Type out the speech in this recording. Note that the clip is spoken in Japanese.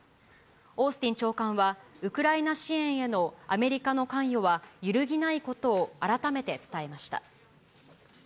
オースティン長官はウクライナ支援へのアメリカの関与は揺るぎないことを改めて伝えました。